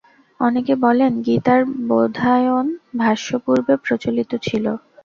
অনেকে বলেন, গীতার বোধায়ন-ভাষ্য পূর্বে প্রচলিত ছিল।